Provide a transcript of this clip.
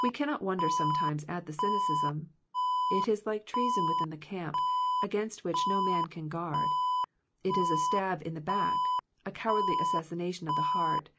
We cannot wonder sometimes at the cynicism. It is like treason within the camp, against which no man can guard. It is a stab in the back, a cowardly assassination of the heart.